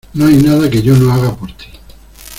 No hay nada que yo no haga por tí.